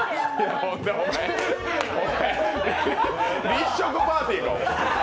立食パーティーか。